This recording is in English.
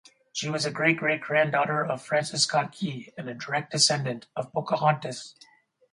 She was a great-great-granddaughter of Francis Scott Key and a direct descendant of Pocahontas.